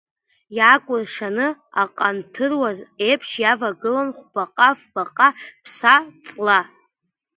Иаакәыршаны, аҟанҭыруаз еиԥш иавагылан хәбаҟа-фбаҟа ԥса-ҵла.